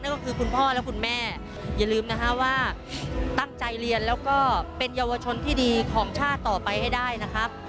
ก็คือคุณพ่อและคุณแม่อย่าลืมนะฮะว่าตั้งใจเรียนแล้วก็เป็นเยาวชนที่ดีของชาติต่อไปให้ได้นะครับ